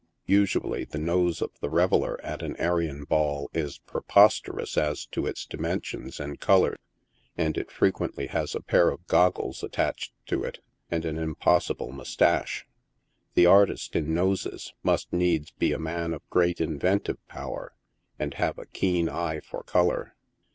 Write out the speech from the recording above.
Usually the nose of the reveller at an Arion Ball is preposterous as to its dimensions and color, and it frequent ly has a pair of goggles affixed to it, and an impossible moustache. The artist in noses must needs be a man of great inventive power, and having a keen eye for color.